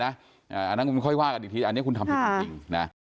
อันนั้นคุณค่อยว่ากันอีกทีอันนี้คุณทำผิดจริงนะ